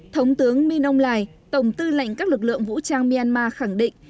thống tướng min aung hlaing tổng tư lệnh các lực lượng vũ trang myanmar khẳng định